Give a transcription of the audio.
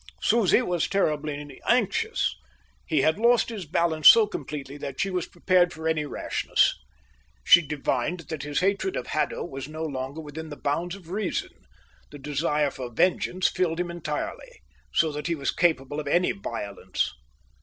Susie was terribly anxious. He had lost his balance so completely that she was prepared for any rashness. She divined that his hatred of Haddo was no longer within the bounds of reason. The desire for vengeance filled him entirely, so that he was capable of any violence.